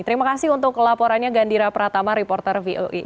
terima kasih untuk kelaporannya gandira pratama reporter voi